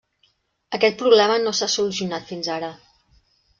Aquest problema no s'ha solucionat fins ara.